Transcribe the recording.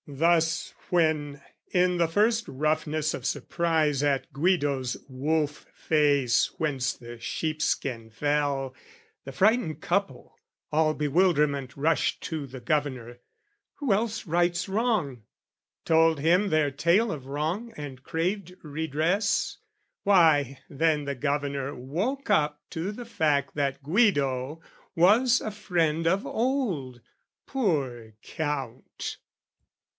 Thus when, in the first roughness of surprise At Guido's wolf face whence the sheepskin fell, The frightened couple, all bewilderment, Rushed to the Governor, who else rights wrong? Told him their tale of wrong and craved redress Why, then the Governor woke up to the fact That Guido was a friend of old, poor Count!